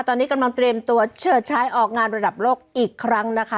ตอนนี้กำลังเตรียมตัวเฉิดใช้ออกงานระดับโลกอีกครั้งนะคะ